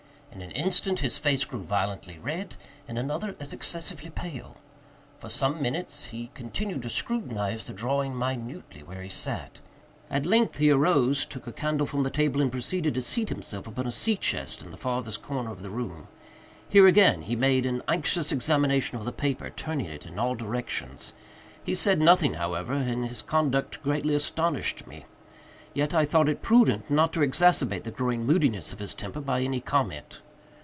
In an instant his face grew violently red—in another as excessively pale. For some minutes he continued to scrutinize the drawing minutely where he sat. At length he arose, took a candle from the table, and proceeded to seat himself upon a sea chest in the farthest corner of the room. Here again he made an anxious examination of the paper; turning it in all directions. He said nothing, however, and his conduct greatly astonished me; yet I thought it prudent not to exacerbate the growing moodiness of his temper by any comment.